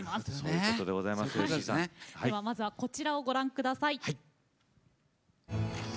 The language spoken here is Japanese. ではまずはこちらをご覧下さい。